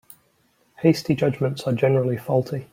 Hasty judgements are generally faulty.